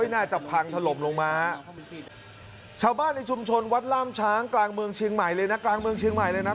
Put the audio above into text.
น่าจะพังถลบลงมาชาวบ้านในชุมชนวัดลามช้างกลางเมืองเชียงใหม่เลยนะ